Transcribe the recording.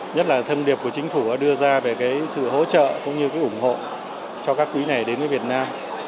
nhất là thâm điệp của chính phủ đưa ra về sự hỗ trợ cũng như ủng hộ cho các quý này đến với việt nam